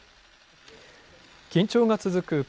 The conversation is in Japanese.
緊張が続く